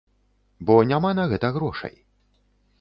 Бо няма на гэта грошай.